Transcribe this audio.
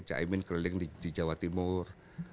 cak imin keliling di jawa timur